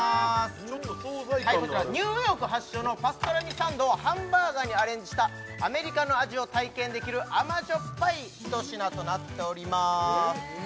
ちょっと総菜感がこちらニューヨーク発祥のパストラミサンドをハンバーガーにアレンジしたアメリカの味を体験できる甘じょっぱい一品となっております